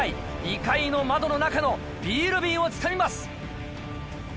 ２階の窓の中のビール瓶をつかみます！